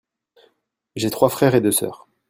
J'ai trois frères et deux sœurs.